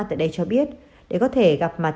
tại đây cho biết để có thể gặp mặt